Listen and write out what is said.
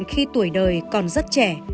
khi tuổi đời còn rất trẻ